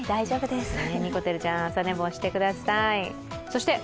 にこてるちゃん、朝寝坊してください。